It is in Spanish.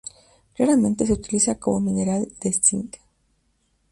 Raramente se utiliza como mineral de zinc.